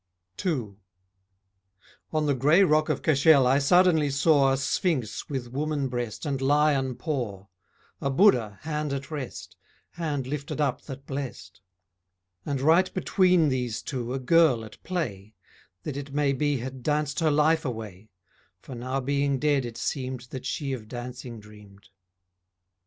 II On the grey rock of Cashel I suddenly saw A Sphinx with woman breast and lion paw, A Buddha, hand at rest, Hand lifted up that blest; And right between these two a girl at play That it may be had danced her life away, For now being dead it seemed That she of dancing dreamed.